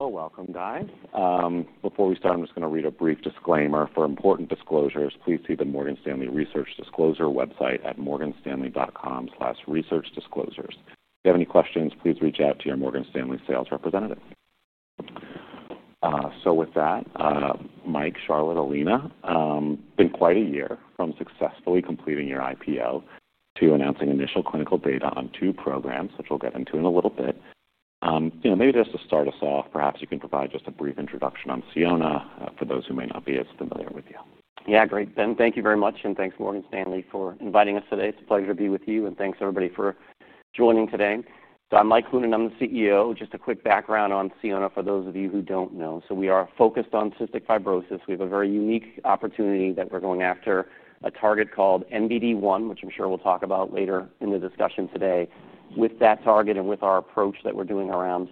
Welcome, guys. Before we start, I'm just going to read a brief disclaimer. For important disclosures, please see the Morgan Stanley research disclosure website at morganstanley.com/researchdisclosures. If you have any questions, please reach out to your Morgan Stanley sales representative. With that, Mike, Charlotte, and Alina, it's been quite a year from successfully completing your IPO to announcing initial clinical data on two programs, which we'll get into in a little bit. Maybe just to start us off, perhaps you can provide just a brief introduction on Shihab Kuran, for those who may not be as familiar with you. Yeah, great. Ben, thank you very much, and thanks Morgan Stanley for inviting us today. It's a pleasure to be with you, and thanks everybody for joining today. I'm Mike Koonin, I'm the CEO. Just a quick background on Shihab Kuran, for those of you who don't know. We are focused on cystic fibrosis. We have a very unique opportunity that we're going after, a target called NBD1, which I'm sure we'll talk about later in the discussion today. With that target and with our approach that we're doing around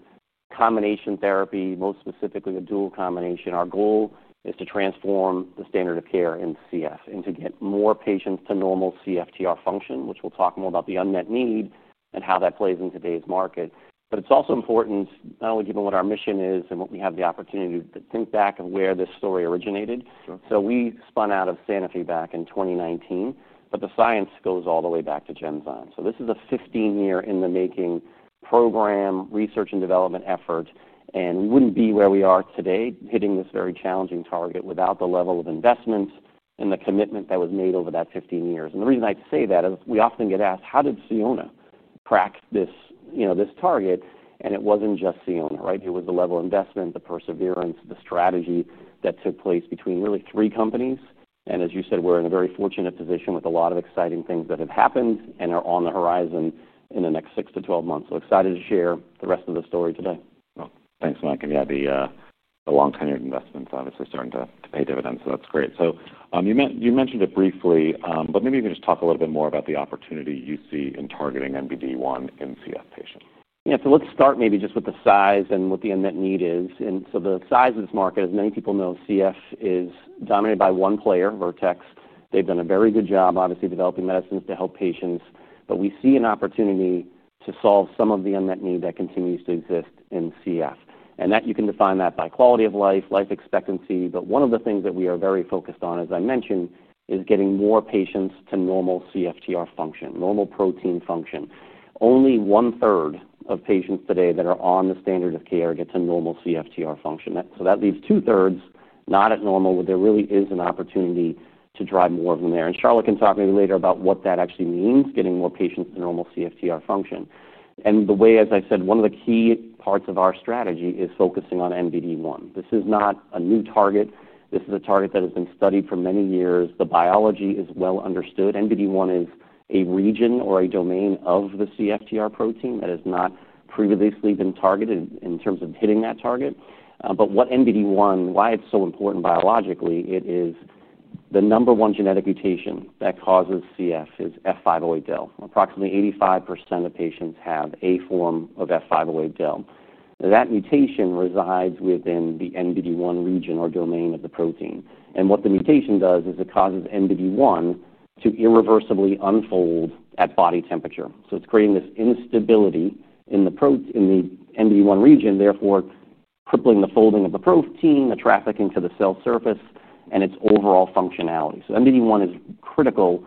combination therapy, most specifically a dual combination, our goal is to transform the standard of care in CF and to get more patients to normal CFTR function, which we'll talk more about, the unmet need and how that plays in today's market. It's also important, not only given what our mission is and what we have, the opportunity to think back of where this story originated. We spun out of Sanofi back in 2019, but the science goes all the way back to Genzyme. This is a 15-year-in-the-making program research and development effort, and we wouldn't be where we are today hitting this very challenging target without the level of investment and the commitment that was made over that 15 years. The reason I say that is we often get asked, how did Shihab crack this target? It wasn't just Shihab, right? It was the level of investment, the perseverance, the strategy that took place between really three companies. As you said, we're in a very fortunate position with a lot of exciting things that have happened and are on the horizon in the next 6 to 12 months. Excited to share the rest of the story today. Thank you, Mike. The long-tenured investment is obviously starting to pay dividends, so that's great. You mentioned it briefly, but maybe you can just talk a little bit more about the opportunity you see in targeting NBD1 in CF patients. Yeah, so let's start maybe just with the size and what the unmet need is. The size of this market, as many people know, CF is dominated by one player, Vertex. They've done a very good job, obviously, developing medicines to help patients, but we see an opportunity to solve some of the unmet need that continues to exist in CF. You can define that by quality of life, life expectancy. One of the things that we are very focused on, as I mentioned, is getting more patients to normal CFTR function, normal protein function. Only one-third of patients today that are on the standard of care get to normal CFTR function. That leaves two-thirds not at normal, where there really is an opportunity to drive more of them there. Charlotte can talk maybe later about what that actually means, getting more patients to normal CFTR function. One of the key parts of our strategy is focusing on NBD1. This is not a new target. This is a target that has been studied for many years. The biology is well understood. NBD1 is a region or a domain of the CFTR protein that has not previously been targeted in terms of hitting that target. Why NBD1 is so important biologically, it is the number one genetic mutation that causes CF is F508del. Approximately 85% of patients have a form of F508del. That mutation resides within the NBD1 region or domain of the protein. What the mutation does is it causes NBD1 to irreversibly unfold at body temperature. It's creating this instability in the NBD1 region, therefore crippling the folding of the protein, the trafficking to the cell surface, and its overall functionality. NBD1 is critical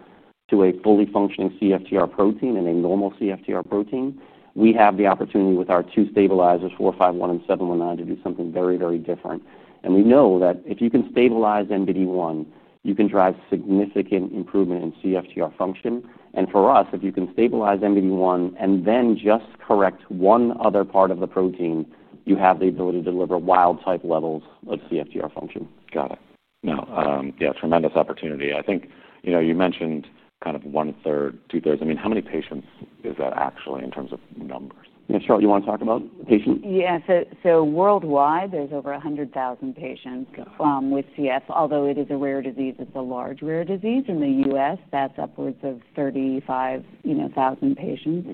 to a fully functioning CFTR protein and a normal CFTR protein. We have the opportunity with our two stabilizers, SION-451 and SION-719, to do something very, very different. We know that if you can stabilize NBD1, you can drive significant improvement in CFTR function. For us, if you can stabilize NBD1 and then just correct one other part of the protein, you have the ability to deliver wild-type levels of CFTR function. Got it. No, yeah, tremendous opportunity. I think you mentioned kind of one-third, two-thirds. I mean, how many patients is that actually in terms of number? Yeah, Charlotte, you want to talk about patients? Yeah, worldwide, there's over 100,000 patients with CF, although it is a rare disease. It's a large rare disease in the U.S. That's upwards of 35,000 patients.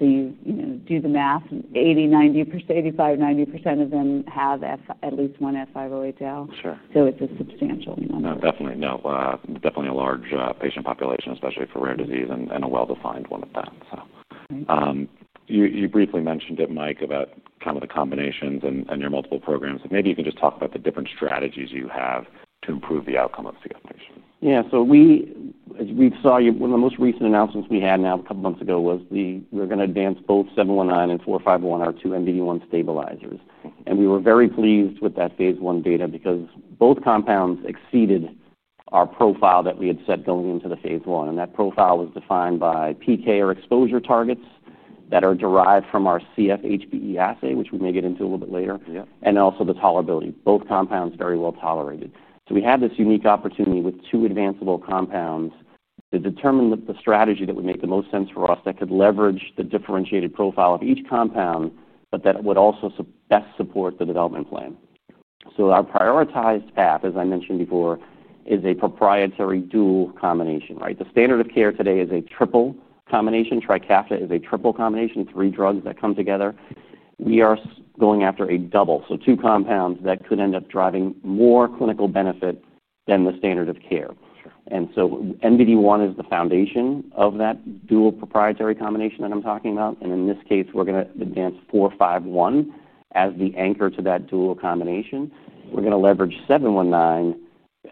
You do the math, 80%, 90%, 85%, 90% of them have at least one F508del. It's a substantial number. No, definitely a large patient population, especially for rare disease and a well-defined one at that. You briefly mentioned it, Mike, about the combinations and your multiple programs. Maybe you can just talk about the different strategies you have to improve the outcome of CF patients. Yeah, so we saw one of the most recent announcements we had a couple of months ago was we were going to advance both SION-719 and SION-451, our two NBD1 stabilizers. We were very pleased with that phase one beta because both compounds exceeded our profile that we had set going into the phase one. That profile was defined by PK or exposure targets that are derived from our CF HBE assay, which we may get into a little bit later, and also the tolerability. Both compounds were very well tolerated. We had this unique opportunity with two advanceable compounds to determine the strategy that would make the most sense for us, that could leverage the differentiated profile of each compound, but that would also best support the development plan. Our prioritized path, as I mentioned before, is a proprietary dual combination, right? The standard of care today is a triple combination. Trikafta is a triple combination, three drugs that come together. We are going after a double, so two compounds that could end up driving more clinical benefit than the standard of care. NBD1 is the foundation of that dual proprietary combination that I'm talking about. In this case, we're going to advance SION-451 as the anchor to that dual combination. We're going to leverage SION-719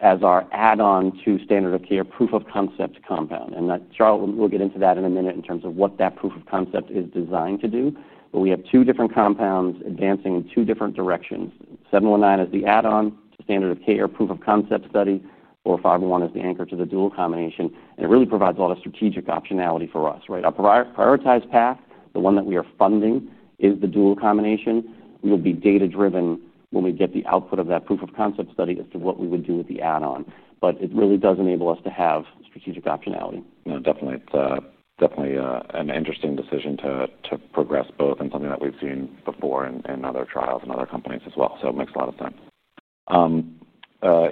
as our add-on to standard of care proof-of-concept compound. Charlotte will get into that in a minute in terms of what that proof-of-concept is designed to do. We have two different compounds advancing in two different directions. SION-719 is the add-on standard of care proof-of-concept study. SION-451 is the anchor to the dual combination. It really provides a lot of strategic optionality for us, right? Our prioritized path, the one that we are funding, is the dual combination. We will be data-driven when we get the output of that proof-of-concept study as to what we would do with the add-on. It really does enable us to have strategic optionality. No, definitely. It's definitely an interesting decision to progress both and something that we've seen before in other trials and other companies as well. It makes a lot of sense.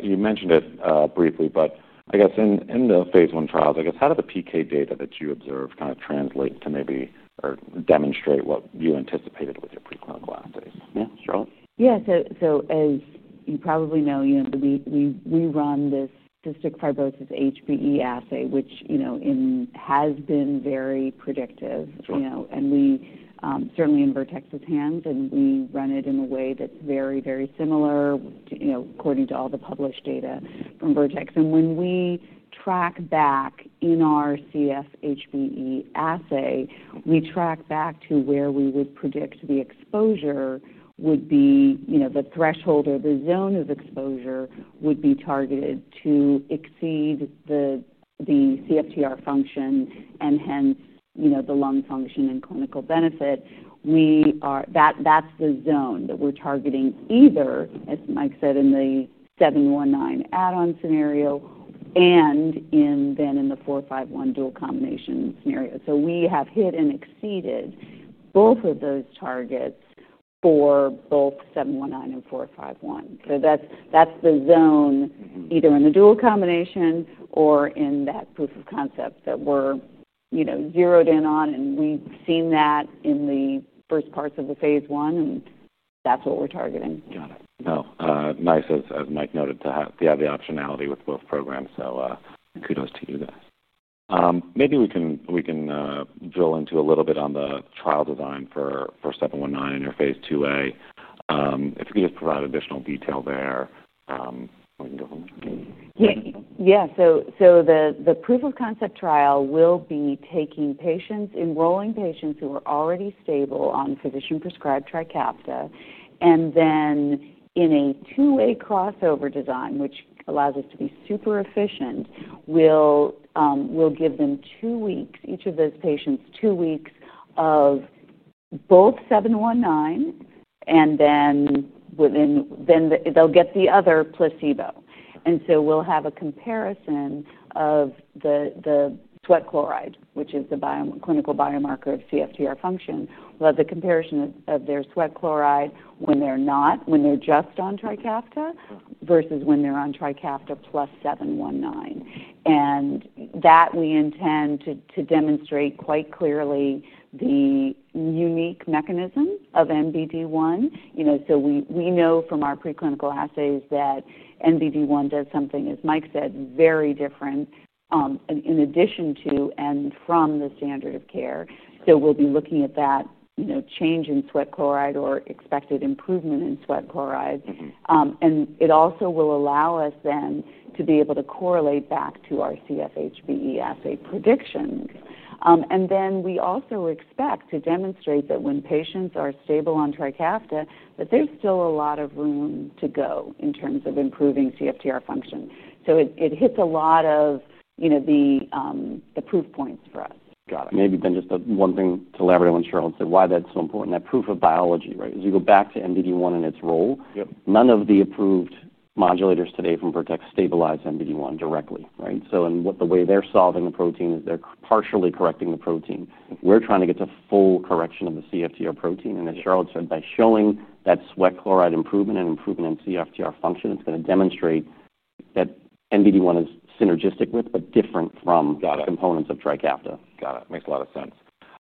You mentioned it briefly, but I guess in the phase one trials, how did the PK data that you observe translate to or demonstrate what you anticipated with your preclinical assays? Yeah, Charlotte? Yeah, as you probably know, we run this cystic fibrosis HBE assay, which has been very predictive. Certainly, in Vertex's hands, and we run it in a way that's very, very similar, according to all the published data from Vertex. When we track back in our CF HBE assay, we track back to where we would predict the exposure would be, the threshold or the zone of exposure would be targeted to exceed the CFTR function and hence, the lung function and clinical benefit. That is the zone that we're targeting either, as Mike said, in the 719 add-on scenario and then in the 451 dual combination scenario. We have hit and exceeded both of those targets for both 719 and 451. That is the zone either in the dual combination or in that proof-of-concept that we're zeroed in on. We've seen that in the first parts of the phase one, and that's what we're targeting. Got it. No, nice as Mike Koonin noted to have the optionality with both programs. Kudos to you guys. Maybe we can drill into a little bit on the trial design for SION-719 in your phase 2a. If you could just provide additional detail there. Yeah, so the proof-of-concept study will be taking patients, enrolling patients who are already stable on physician-prescribed Trikafta, and then in a two-way crossover design, which allows us to be super efficient, we'll give them two weeks, each of those patients, two weeks of both 719, and then they'll get the other placebo. We'll have a comparison of the sweat chloride, which is the clinical biomarker of CFTR function. We'll have the comparison of their sweat chloride when they're not, when they're just on Trikafta versus when they're on Trikafta plus 719. We intend to demonstrate quite clearly the unique mechanism of NBD1. We know from our preclinical assays that NBD1 does something, as Mike said, very different, in addition to and from the standard of care. We'll be looking at that change in sweat chloride or expected improvement in sweat chloride. It also will allow us then to be able to correlate back to our CF HBE assay predictions. We also expect to demonstrate that when patients are stable on Trikafta, there's still a lot of room to go in terms of improving CFTR function. It hits a lot of the proof points for us. Got it. Maybe then just the one thing to elaborate on, Charlotte, is why that's so important, that proof of biology, right? As you go back to NBD1 and its role, none of the approved modulators today from Vertex Pharmaceuticals stabilize NBD1 directly, right? The way they're solving the protein is they're partially correcting the protein. We're trying to get to full correction of the CFTR protein. As Charlotte said, by showing that sweat chloride improvement and improvement in CFTR function, it's going to demonstrate that NBD1 is synergistic with, but different from, the components of Trikafta. Got it. Makes a lot of sense.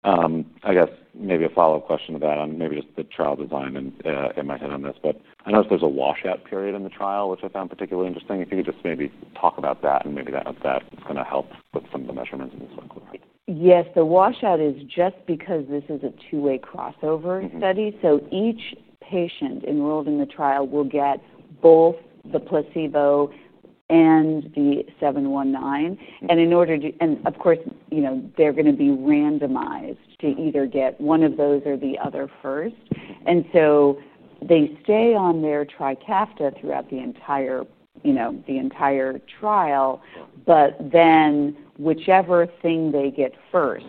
I guess maybe a follow-up question to that on maybe just the trial design and in my head on this, but I noticed there's a washout period in the trial, which I found particularly interesting. If you could just maybe talk about that and maybe that's going to help with some of the measurements that this includes. Yes, the washout is just because this is a two-way crossover study. Each patient enrolled in the trial will get both the placebo and the 719. In order to, you know, they're going to be randomized to either get one of those or the other first. They stay on their Trikafta throughout the entire trial. Whichever thing they get first,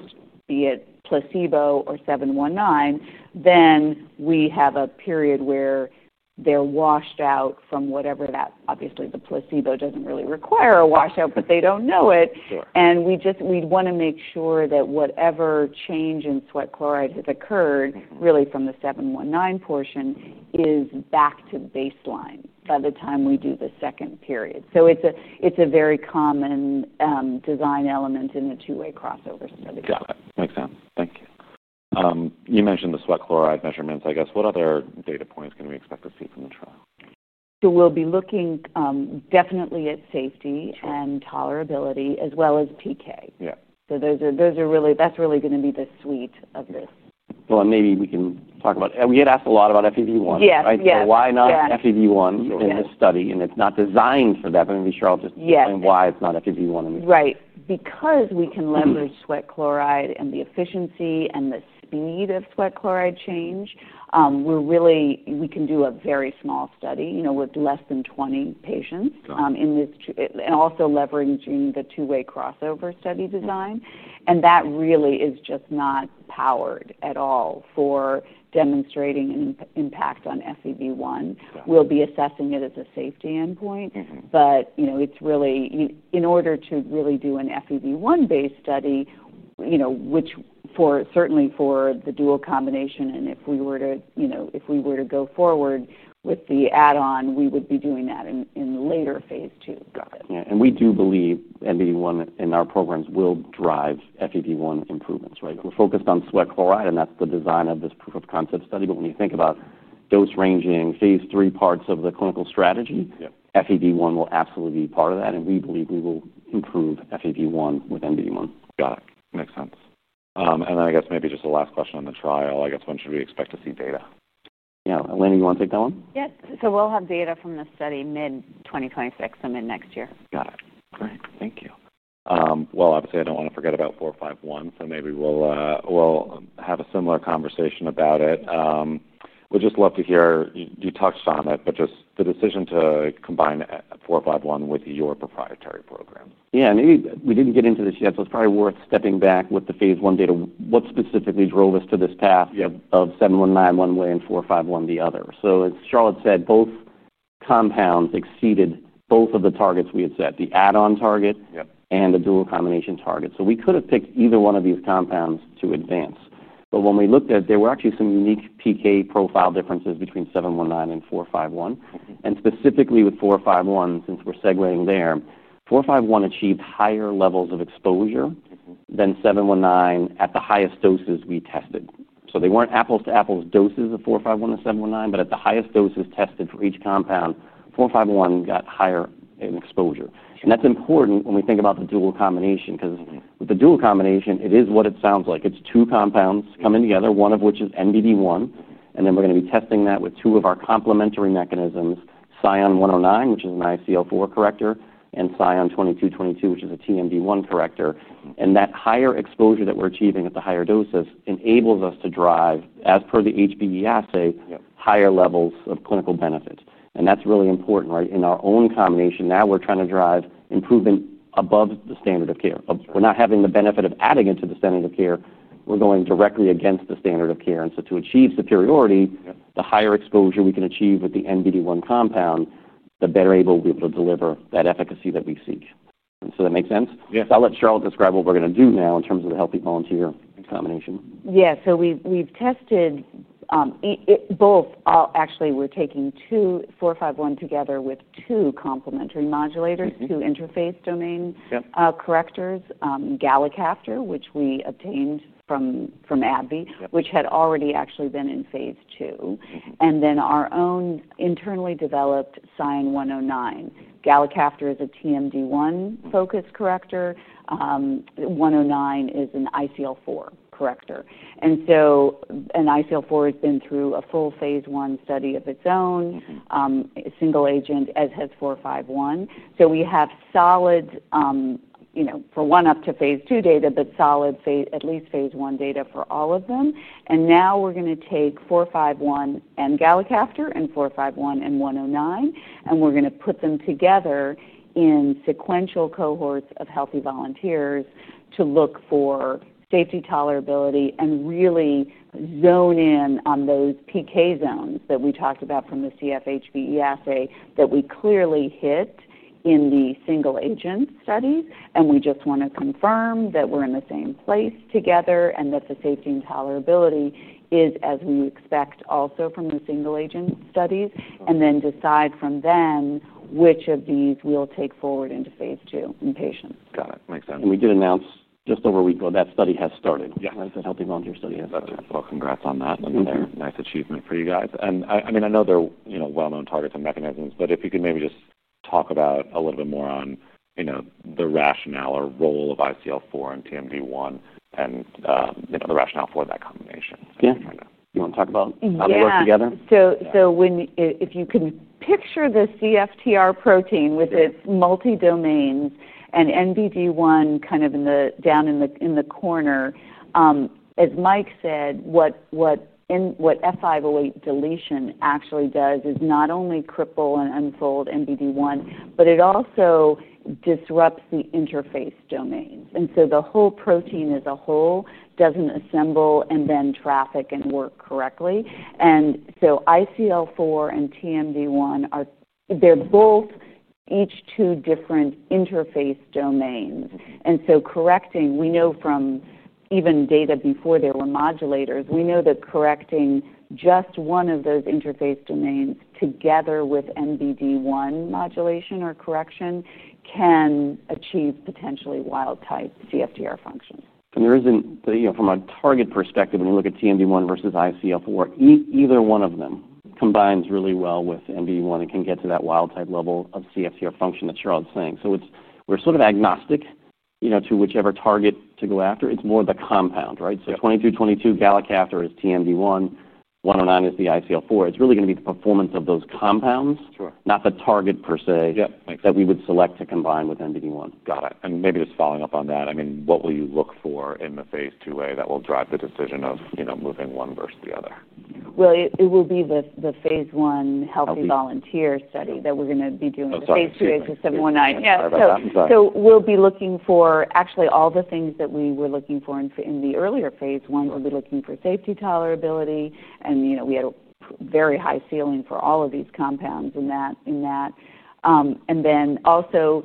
be it placebo or 719, then we have a period where they're washed out from whatever that, obviously, the placebo doesn't really require a washout, but they don't know it. We want to make sure that whatever change in sweat chloride has occurred really from the 719 portion is back to baseline by the time we do the second period. It's a very common design element in the two-way crossovers for the trial. Got it. Makes sense. Thank you. You mentioned the sweat chloride measurements. I guess what other data points can we expect to see from the trial? We will be looking definitely at safety and tolerability as well as PK. Yeah, those are really going to be the suite of this. Maybe we can talk about, and we had asked a lot about FEV1, right? Why not FEV1 in this study? It's not designed for that. Maybe, Charlotte, just explain why it's not FEV1 in this. Right. Because we can leverage sweat chloride and the efficiency and the speed of sweat chloride change, we can do a very small study with less than 20 patients in this, and also leveraging the two-way crossover study design. That really is just not powered at all for demonstrating an impact on FEV1. We'll be assessing it as a safety endpoint. In order to really do an FEV1-based study, which certainly for the dual combination, and if we were to go forward with the add-on, we would be doing that in the later phase two. Got it. We do believe NBD1 in our programs will drive FEV1 improvements, right? We're focused on sweat chloride, and that's the design of this proof-of-concept study. When you think about dose ranging, phase three parts of the clinical strategy, FEV1 will absolutely be part of that. We believe we will improve FEV1 with NBD1. Got it. Makes sense. I guess maybe just the last question on the trial, I guess when should we expect to see data? Yeah, Alina, you want to take that one? We'll have data from the study mid-2025 to mid-next year. Got it. Great. Thank you. Obviously, I don't want to forget about SION-451. Maybe we'll have a similar conversation about it. We'd just love to hear, you touched on it, but just the decision to combine SION-451 with your proprietary program. Yeah, maybe we didn't get into this yet. It's probably worth stepping back with the phase one data. What specifically drove us to this path of 719 one way and 451 the other? As Charlotte said, both compounds exceeded both of the targets we had set, the add-on target and the dual combination target. We could have picked either one of these compounds to advance. When we looked at it, there were actually some unique PK profile differences between 719 and 451. Specifically with 451, since we're segueing there, 451 achieved higher levels of exposure than 719 at the highest doses we tested. They weren't apples to apples doses of 451 and 719, but at the highest doses tested for each compound, 451 got higher in exposure. That's important when we think about the dual combination because with the dual combination, it is what it sounds like. It's two compounds coming together, one of which is NBD1, and then we're going to be testing that with two of our complementary mechanisms, SION-109, which is an ICO4 corrector, and galicaftor (SION-2222), which is a TMD1 corrector. That higher exposure that we're achieving at the higher doses enables us to drive, as per the HBE assay, higher levels of clinical benefit. That's really important, right? In our own combination, now we're trying to drive improvement above the standard of care. We're not having the benefit of adding it to the standard of care. We're going directly against the standard of care. To achieve superiority, the higher exposure we can achieve with the NBD1 compound, the better able we'll be able to deliver that efficacy that we seek. That makes sense? Yeah. I'll let Charlotte describe what we're going to do now in terms of the Healthy Volunteer combination. Yeah, so we've tested both, actually, we're taking two, SION-451 together with two complementary modulators, two interface domain correctors, galicaftor (SION-2222), which we obtained from AbbVie, which had already actually been in phase two, and then our own internally developed SION-109. Galicaftor (SION-2222) is a TMD1 focused corrector. SION-109 is an ICO4 corrector. An ICO4 has been through a full phase one study of its own, single agent, as has SION-451. We have solid, you know, for one up to phase two data, but solid phase, at least phase one data for all of them. Now we're going to take SION-451 and galicaftor (SION-2222) and SION-451 and SION-109, and we're going to put them together in sequential cohorts of healthy volunteers to look for safety, tolerability, and really zone in on those PK zones that we talked about from the CFHBE assay that we clearly hit in the single agent studies. We just want to confirm that we're in the same place together and that the safety and tolerability is as we expect also from the single agent studies and then decide from then which of these we'll take forward into phase two in patients. Got it. Makes sense. We did announce just over a week ago that study has started. The Healthy Volunteer study has started. Congrats on that. They're a nice achievement for you guys. I know they're well-known targets and mechanisms, but if you could maybe just talk about a little bit more on the rationale or role of ICO4 and TMD1 and the rationale for that combination. You want to talk about how they work together? If you can picture the CFTR protein with its multi-domain and NBD1 kind of in the corner, as Mike said, what F508 deletion actually does is not only cripple and unfold NBD1, but it also disrupts the interface domain. The whole protein as a whole doesn't assemble and then traffic and work correctly. ICO4 and TMD1 are both each two different interface domains. Correcting, we know from even data before there were modulators, that correcting just one of those interface domains together with NBD1 modulation or correction can achieve potentially wild-type CFTR function. There isn't, you know, from a target perspective, when you look at TMD1 versus ICO4, either one of them combines really well with NBD1 and can get to that wild-type level of CFTR function that Charlotte's saying. We're sort of agnostic, you know, to whichever target to go after. It's more of the compound, right? So galicaftor (SION-2222) is TMD1, SION-109 is the ICO4. It's really going to be the performance of those compounds, not the target per se that we would select to combine with NBD1. Got it. Maybe just following up on that, what will you look for in the phase 2a that will drive the decision of, you know, moving one versus the other? It will be the phase one Healthy Volunteer study that we're going to be doing, the phase two A, so SION-719. We’ll be looking for actually all the things that we were looking for in the earlier phase one. We’ll be looking for safety, tolerability, and we had a very high ceiling for all of these compounds in that. Also,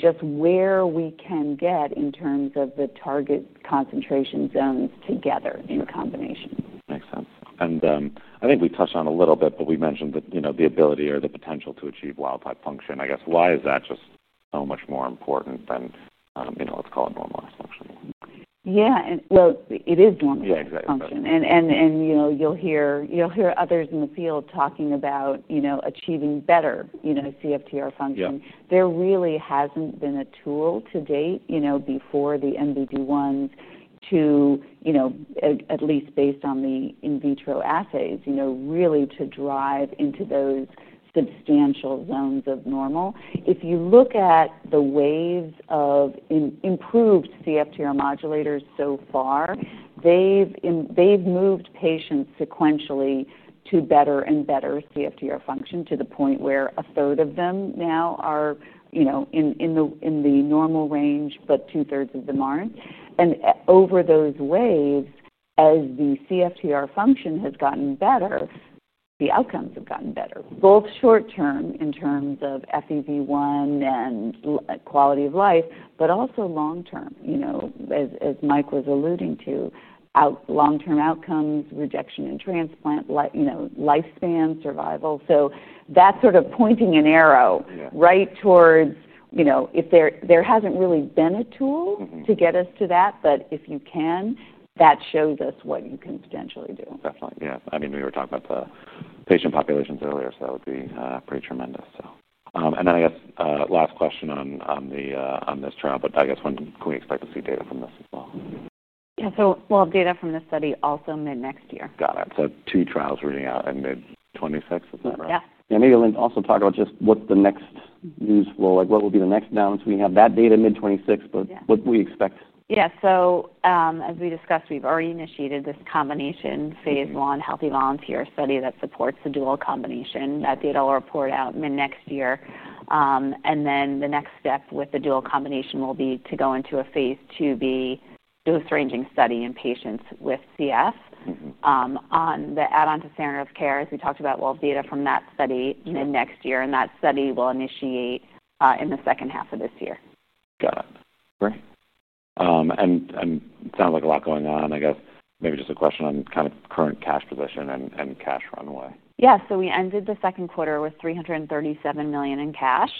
just where we can get in terms of the target concentration zones together in combination. Makes sense. I think we touched on it a little bit, but we mentioned that the ability or the potential to achieve wild-type function, I guess, why is that just so much more important than, let's call it, lung function? Yeah, it is lung function. You know, you'll hear others in the field talking about achieving better CFTR function. There really hasn't been a tool to date before the NBD1 to, at least based on the in vitro assays, really drive into those substantial zones of normal. If you look at the waves of improved CFTR modulators so far, they've moved patients sequentially to better and better CFTR function to the point where a third of them now are in the normal range, but two-thirds of them aren't. Over those waves, as the CFTR function has gotten better, the outcomes have gotten better, both short-term in terms of FEV1 and quality of life, but also long-term, as Mike was alluding to, long-term outcomes, rejection and transplant, lifespan, survival. That's sort of pointing an arrow right towards, if there hasn't really been a tool to get us to that, but if you can, that shows us what you can potentially do. Definitely. I mean, we were talking about the patient populations earlier, so that would be pretty tremendous. I guess last question on this trial, but I guess when can we expect to see data from this as well? We'll have data from this study also mid-next year. Got it. Two trials reading out in mid-2026, is that right? Yeah. Yeah, maybe you'll also talk about just what the next news will be, like what will be the next announcement. We have that data mid-2026, but what do we expect? Yeah, as we discussed, we've already initiated this combination phase one Healthy Volunteer study that supports the dual combination. That data will report out mid-next year, and then the next step with the dual combination will be to go into a phase two B dose ranging study in patients with CF. On the add-on to standard-of-care, as we talked about, we'll have data from that study mid-next year, and that study will initiate in the second half of this year. Got it. Great. It sounds like a lot going on. Maybe just a question on kind of current cash position and cash runway. Yeah, we ended the second quarter with $337 million in cash,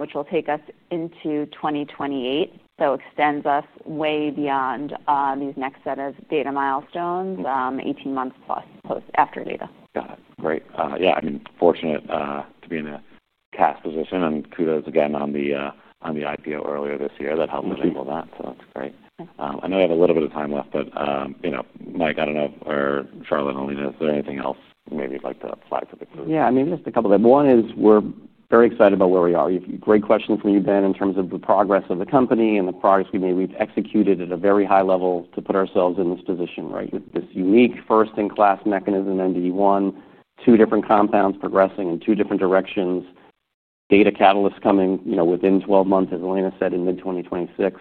which will take us into 2028. This extends us way beyond these next set of data milestones, 18 months plus post after data. Got it. Great. I mean, fortunate to be in a cash position and kudos again on the IPO earlier this year that helped enable that. That's great. I know we have a little bit of time left, but, you know, Mike, I don't know, or Charlotte, Alina, is there anything else maybe you'd like to flag? Yeah, maybe just a couple of things. One is we're very excited about where we are. Great question from you, Ben, in terms of the progress of the company and the progress we've executed at a very high level to put ourselves in this position, right? This unique first-in-class mechanism, NBD1, two different compounds progressing in two different directions, data catalysts coming within 12 months, as Alina said, in mid-2026.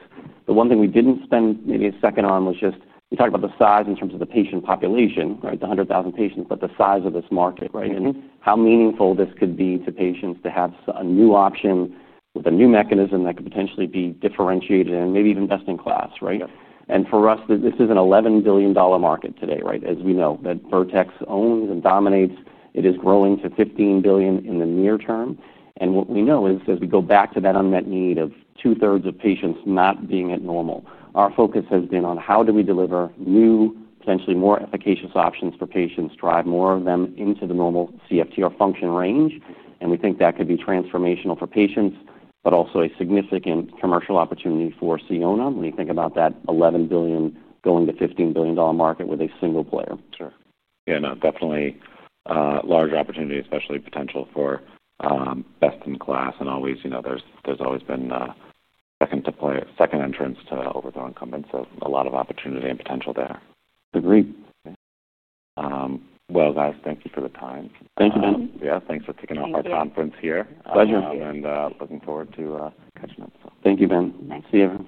The one thing we didn't spend maybe a second on was just, we talked about the size in terms of the patient population, right? The 100,000 patients, but the size of this market, right? And how meaningful this could be to patients to have a new option with a new mechanism that could potentially be differentiated and maybe even best in class, right? For us, this is an $11 billion market today, right? As we know that Vertex owns and dominates, it is growing to $15 billion in the near term. What we know is, as we go back to that unmet need of two-thirds of patients not being at normal, our focus has been on how do we deliver new, potentially more efficacious options for patients, drive more of them into the normal CFTR function range. We think that could be transformational for patients, but also a significant commercial opportunity for Sionna Therapeutics. We think about that $11 billion going to $15 billion market with a single player. Sure. Yeah, definitely a large opportunity, especially potential for best-in-class. There has always been a second player, second entrance over the incumbent. A lot of opportunity and potential there. Agreed. Thank you for the time. Thank you, Ben. Yeah, thanks for taking our conference here. Pleasure. Looking forward to catching up. Thank you, Ben. See you guys.